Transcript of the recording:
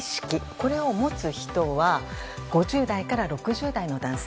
これを持つ人は５０代から６０代の男性。